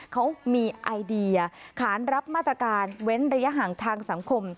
เขามีไอเดียขานรับมาตรการเว้นระยะห่างทางสังคม